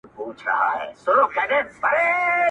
حیوانان یې پلټل په سمه غره کي؛